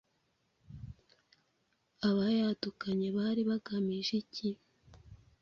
Abayadukanye bari bagamije iki?